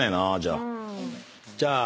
じゃあ。